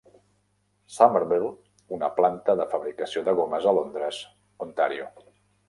Somerville, una planta de fabricació de gomes a Londres, Ontario.